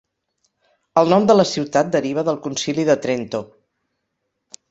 El nom de la ciutat deriva del Concili de Trento.